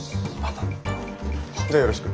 じゃあよろしく。